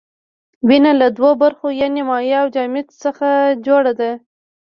وینه له دوو برخو یعنې مایع او جامد څخه جوړه ده.